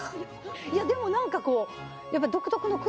いやでも何かこうやっぱ。